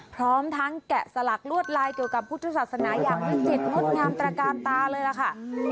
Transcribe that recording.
พร้อมทั้งแกะสลักลวดลายเกี่ยวกับพุทธศาสนาอย่างวิจิตรงดงามตระกาลตาเลยล่ะค่ะ